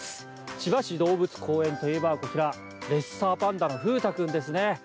千葉市動物公園といえばこちらレッサーパンダの風太君ですね。